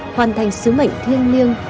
hoàn thành sứ mệnh thiên niêng